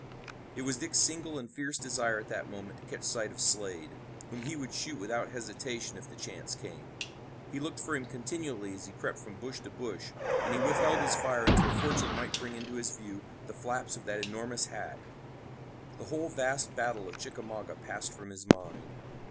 It was Dick's single and fierce desire at that moment to catch sight of Slade, whom he would shoot without hesitation if the chance came. He looked for him continually as he crept from bush to bush, and he withheld his fire until fortune might bring into his view the flaps of that enormous hat. The whole vast battle of Chickamauga passed from his mind.